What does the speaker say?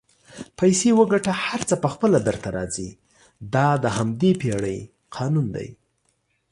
پیسې وګټه هر څه پخپله درته راځي دا د همدې پیړۍ قانون دئ